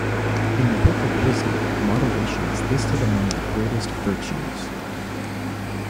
In the Book of Wisdom moderation is listed among the greatest virtues.